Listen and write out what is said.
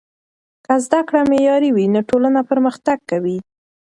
که زده کړه معیاري وي نو ټولنه پرمختګ کوي.